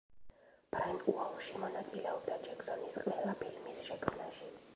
ფრენ უოლში მონაწილეობდა ჯექსონის ყველა ფილმის შექმნაში.